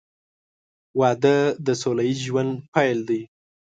• واده د سوله ییز ژوند پیل دی.